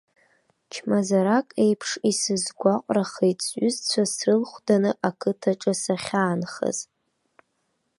Чмазарак еиԥш исызгәаҟрахеит сҩызцәа срылхәданы ақыҭаҿы сахьаанхаз.